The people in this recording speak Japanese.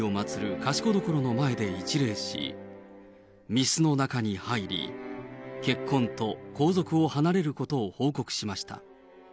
賢所の前で一礼し、御簾の中に入り、結婚と皇族を離れることを報告しました。